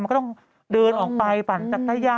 มันก็ต้องเดินออกไปปั่นจากใต้ย่า